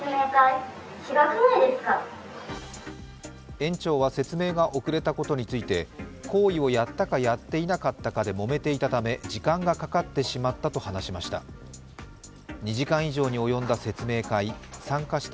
園長は説明が遅れたことについて行為をやったかやっていなかったでもめていたため時間がかかってしまったと話しました。